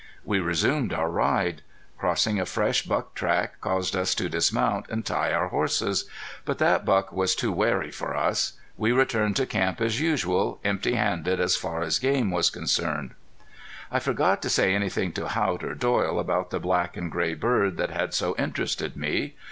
We resumed our ride. Crossing a fresh buck track caused us to dismount, and tie our horses. But that buck was too wary for us. We returned to camp as usual, empty handed as far as game was concerned. I forgot to say anything to Haught or Doyle about the black and gray bird that had so interested me.